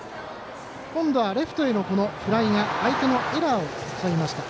今度はレフトへのフライが相手のエラーを誘いました。